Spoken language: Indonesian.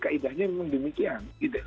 kaedahnya memang demikian